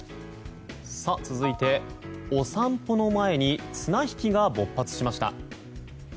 続いて、お散歩の前に綱引きが勃発しました。